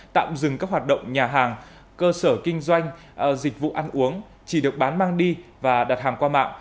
tạm dừng các hoạt động nhà hàng cơ sở kinh doanh dịch vụ ăn uống chỉ được bán mang đi và đặt hàng qua mạng